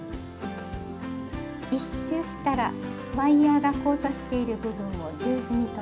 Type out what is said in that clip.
１周したらワイヤーが交差している部分を十字に留めます。